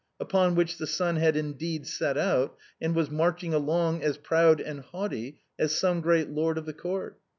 Upon which the sun had indeed set out, and was march ing along as proud and haughty as some great lord of the court.